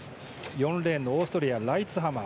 ４レーン、オーストラリアのライツハマー。